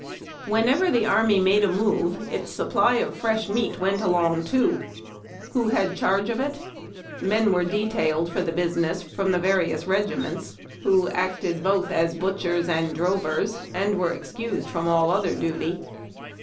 Whenever the army made a move its supply of fresh meat went along too. Who had charge of it? Men were de tailed for the business from the various regiments, who acted both as butchers and drovers, and were excused from all other duty.